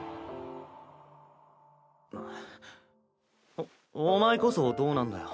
おお前こそどうなんだよ。